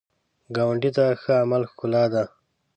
ګاونډي ته ښه عمل ښکلا ده